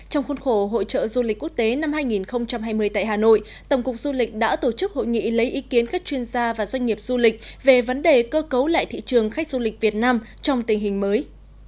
trong khuôn khổ hội trợ du lịch quốc tế năm hai nghìn hai mươi tại hà nội tổng cục du lịch đã tổ chức hội nghị lấy ý kiến khách chuyên gia và doanh nghiệp du lịch về vấn đề cơ cấu lại thị trường khách du lịch việt nam trong tình hình mới